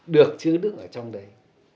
được chứ đứng ở trong đấy